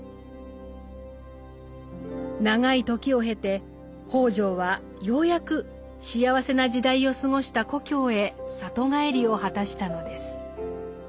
長い時を経て北條はようやく幸せな時代を過ごした故郷へ里帰りを果たしたのです。